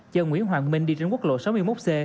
chờ nguyễn hoàng minh đi trên quốc lộ sáu mươi một c